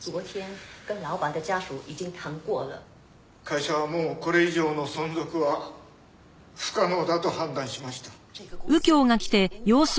会社はもうこれ以上の存続は不可能だと判断しました。